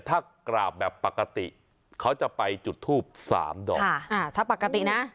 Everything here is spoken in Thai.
ถ้ากราบแบบปกติเขาจะไปจุดทูบสามดอกค่ะอ่าถ้าปกตินะ